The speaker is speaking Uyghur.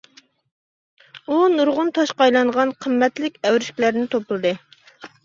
ئۇ نۇرغۇن تاشقا ئايلانغان قىممەتلىك ئەۋرىشكىلەرنى توپلىدى.